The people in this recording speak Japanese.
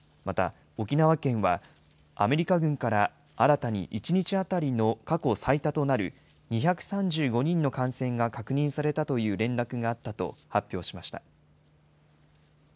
また、沖縄県はアメリカ軍から新たに１日当たりの過去最多となる２３５人の感染が確認されたという連絡があったと発表しました。